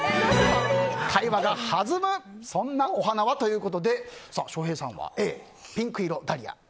会話が弾むお花はということで翔平さんはＡ、ピンク色のダリア。